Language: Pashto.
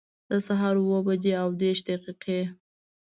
د سهار اووه بجي او دیرش دقیقي